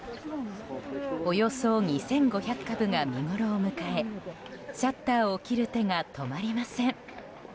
およそ２５００株が見ごろを迎えシャッターを切る手が止まりません。